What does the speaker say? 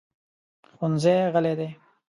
ښوونځی غلی دی.